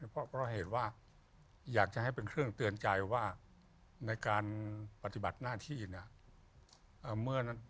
เพราะก็เหตุว่าอยากจะให้เป็นเครื่องเตือนใจว่าในการปฏิบัติหน้าที่เนี่ย